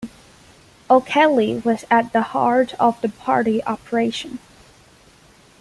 O'Kelly was at the heart of the party operation.